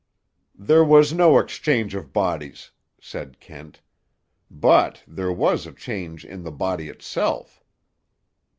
"There was no exchange of bodies," said Kent. "But there was a change in the body itself."